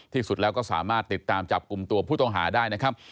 ที่สุดแล้วก็สามารถติดตามจับกลุ่มตัวผู้ต้องหาได้นะครับ